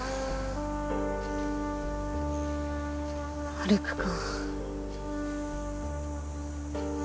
歩くか。